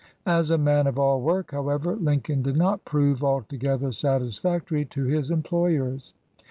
As a man of all work, however, Lincoln did not prove altogether satisfactory to his employers.